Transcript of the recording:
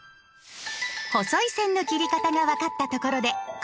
細い線の切り方が分かったところで今回の課題